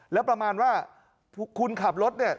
แล้วประมาณว่าคุณขับรถเนี่ย